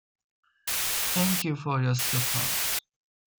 Thank you for your support.